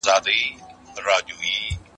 ایا ته د خپلې څيړني لپاره کوم پلان لرې؟